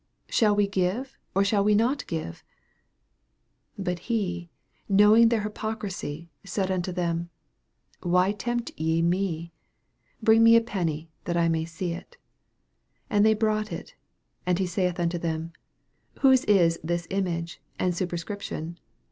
15 Shall we give or shall we not give ? But he, knowing their hypoc risy, said unto them, Why tempt ye me ? bring me a penny, that I may Bee it. 16 And they brought it. And he saith unto them. Whose it this image and superscription